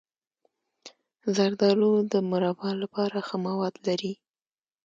زردالو د مربا لپاره ښه مواد لري.